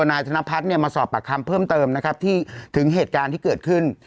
นายธนพัฒน์เนี่ยมาสอบปากคำเพิ่มเติมนะครับที่ถึงเหตุการณ์ที่เกิดขึ้น